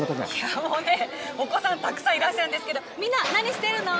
お子さん、たくさんいらっしゃるんですけど、みんな、何してるの？